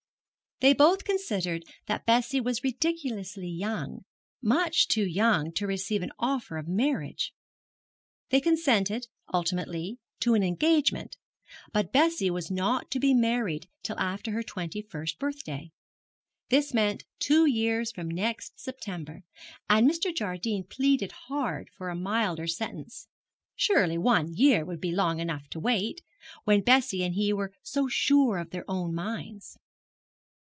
They both considered that Bessie was ridiculously young much too young to receive an offer of marriage. They consented, ultimately, to an engagement; but Bessie was not to be married till after her twenty first birthday. This meant two years from next September, and Mr. Jardine pleaded hard for a milder sentence. Surely one year would be long enough to wait, when Bessie and he were so sure of their own minds.